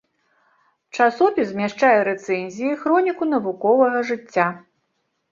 Часопіс змяшчае рэцэнзіі, хроніку навуковага жыцця.